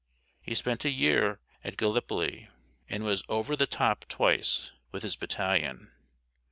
He spent a year at Gallipoli and was "over the top" twice with his battalion.